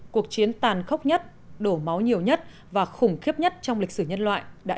cuộc chiến tàn khốc nhất đổ máu nhiều nhất và khủng khiếp nhất trong lịch sử nhân loại đã